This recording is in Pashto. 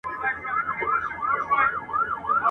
ما مي له پښتو سره پېیلې د نصیب ژبه !.